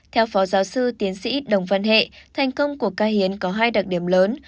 theo phó giáo sư tiến sĩ đồng văn hệ thành công của ca hiến có hai đặc điểm lớn